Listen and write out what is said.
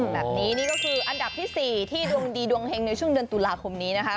แบบนี้นี่ก็คืออันดับที่๔ที่ดวงดีดวงเฮงในช่วงเดือนตุลาคมนี้นะคะ